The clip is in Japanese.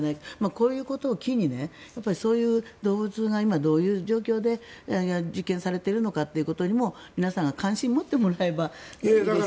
こういうことを機にそういう動物が今、どういう状況で実験されてるのかということにも皆さん、関心を持ってもらえばいいですね。